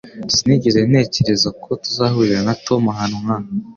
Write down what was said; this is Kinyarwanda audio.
Sinigeze ntekereza ko tuzahurira na Tom ahantu nkaha.